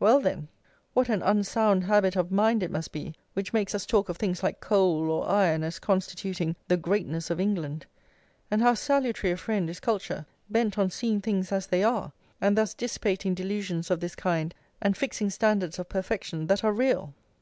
Well then, what an unsound habit of mind it must be which makes us talk of things like coal or iron as constituting the greatness of England, and how salutary a friend is culture, bent on seeing things as they are, and thus dissipating delusions of this kind and fixing standards of perfection that are real!